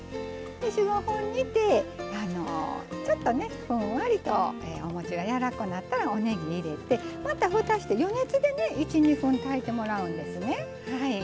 ４５分、煮て、ちょっとふんわりとお餅がやわらこうなったらおねぎを入れて、またふたをして余熱で１２分、炊いてもらうんですね。